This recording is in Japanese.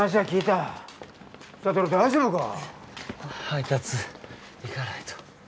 配達行かないと。